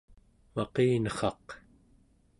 maqinerraq